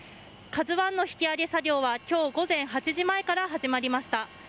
「ＫＡＺＵ１」の引き揚げ作業は今日午前８時前から始まりました。